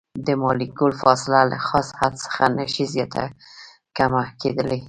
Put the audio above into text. د مالیکول فاصله له خاص حد څخه نشي زیاته کمه کیدلی.